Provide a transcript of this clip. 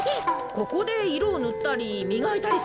ここでいろをぬったりみがいたりするんですよ。